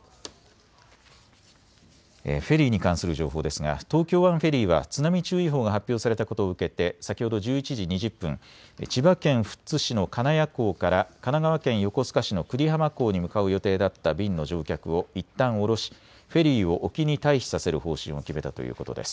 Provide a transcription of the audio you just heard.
フェリーに関する情報ですが東京湾フェリーは津波注意報が発表されたことを受けて先ほど１１時２０分、千葉県富津市の金谷港から神奈川県横須賀市の久里浜港に向かう予定だった便の乗客をいったん降ろし、フェリーを沖に退避させる方針を決めたということです。